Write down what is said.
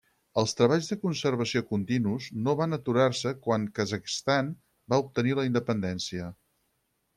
Els treballs de conservació continus no van aturar-se quan Kazakhstan va obtenir la independència.